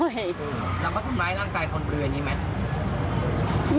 แล้วก็ทำไมร่างกายคนเปลือกันอย่างนี้ไหม